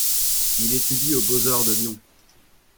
Il étudie aux beaux-arts de Lyon.